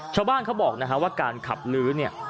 ชาวบ้านเขาบอกนะฮะว่าการขับลื้อเนี่ย